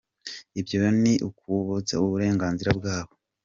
Ibi byose ni ukubavutsa uburenganzira bwabo."